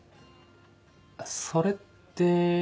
それって。